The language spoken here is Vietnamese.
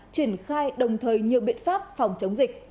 triển khai đồng thời nhiều biện pháp phòng chống dịch